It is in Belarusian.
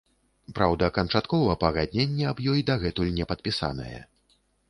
Праўда, канчаткова пагадненне аб ёй дагэтуль не падпісанае.